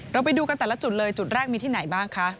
ไปดูกันแต่ละจุดเลยจุดแรกมีที่ไหนบ้างคะ